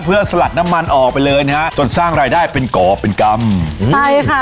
เพื่อสลัดน้ำมันออกไปเลยนะฮะจนสร้างรายได้เป็นก่อเป็นกรรมใช่ค่ะ